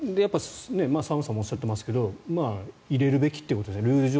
沢松さんもおっしゃっていますが入れるべきということルール上